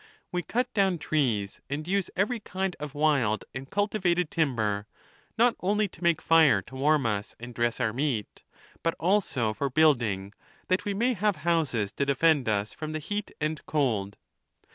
We cut down trees, and use every kind of wild and cultivated timber, not only to make fire to warm us and dress our meat, but also for building, that we may have houses to defend us from the heat and cold.